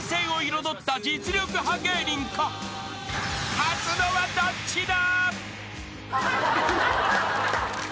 ［勝つのはどっちだ？］